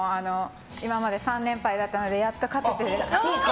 今まで３連敗だったのでやっと勝てて。